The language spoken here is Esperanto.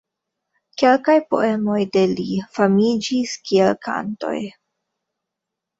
Kelkaj poemoj de li famiĝis kiel kantoj.